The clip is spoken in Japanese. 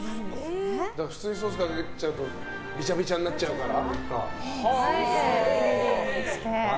普通にソースをかけちゃうとびちゃびちゃになるから。